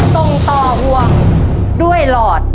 ส่งต่อห่วงด้วยหลอด